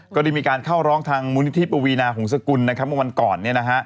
ก็ได้มีการเข้าร้องทางมูลนิธิปวีนาหงษกุลเมื่อวันก่อน